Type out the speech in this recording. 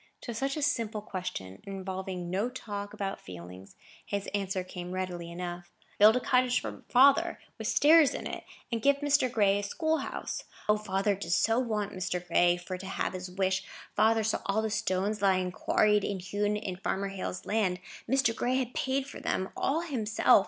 To such a simple question, involving no talk about feelings, his answer came readily enough. "Build a cottage for father, with stairs in it, and give Mr. Gray a school house. O, father does so want Mr. Gray for to have his wish! Father saw all the stones lying quarried and hewn on Farmer Hale's land; Mr. Gray had paid for them all himself.